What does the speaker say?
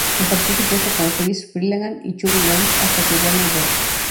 Compartió su puesto con Friz Freleng y Chuck Jones hasta que Warner Bros.